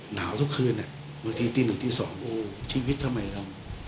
หนาวทุกคืนบางทีตีหนึ่งตีสองโอ้ชีวิตทำไมเรา